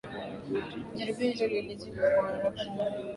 Jaribio hilo lilizimwa kwa haraka na wanajeshi waaminifu